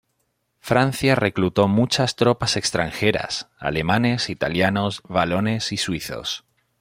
Francia reclutó muchas tropas extranjeras: alemanes, italianos, valones y suizos.